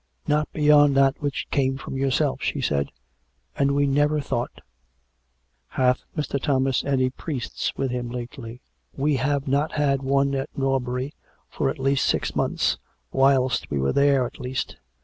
" Not beyond that which came from yourself," she said; " and we never thought "" Hath Mr. Thomas had any priests with him lately ?"" We have not had one at Norbury for the last six months, whilst we were there, at least.